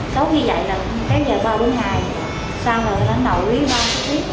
tốt như vậy là một cái giờ ba bốn ngày xong rồi nó nổi ba bốn chiếc da